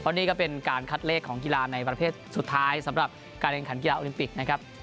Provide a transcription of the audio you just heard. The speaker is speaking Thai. นี่ก็เป็นการคัดเลขของกีฬาในประเภทสุดท้ายสำหรับการแข่งขันกีฬาโอลิมปิกนะครับ